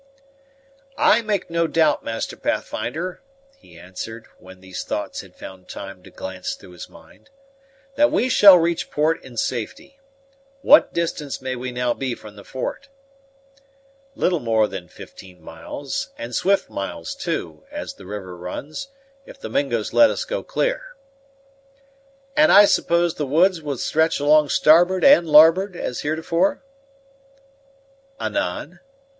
"I make no doubt, Master Pathfinder," he answered, when these thoughts had found time to glance through his mind, "that we shall reach port in safety. What distance may we now be from the fort?" "Little more than fifteen miles; and swift miles too, as the river runs, if the Mingos let us go clear." "And I suppose the woods will stretch along starboard and larboard, as heretofore?" "Anan?"